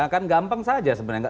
kan gampang saja sebenarnya